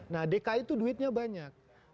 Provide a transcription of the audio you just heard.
nah dki itu duitnya banyak